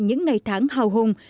những ngày tháng hào hùng